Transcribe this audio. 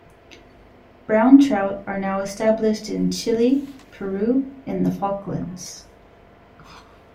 Brown trout are now established in Chile, Peru, and the Falklands.